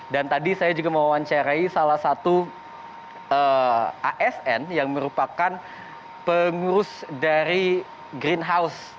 dan tadi saya juga mau wawancarai salah satu asn yang merupakan pengurus dari greenhouse